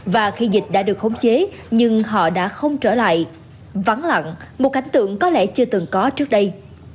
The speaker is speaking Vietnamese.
và khi dịch đã được khống chế nhưng họ đã không trở lại vắng lặng một cảnh tượng có lẽ chưa từng có trước đây